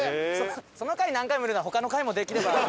その回何回も見るなら他の回もできれば。